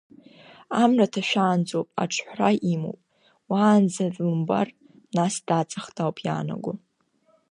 Амра ҭашәаанӡоуп аҿҳәара имоу, уанӡа длымбар, нас даҵахт ауп иаанаго.